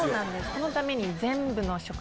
このために。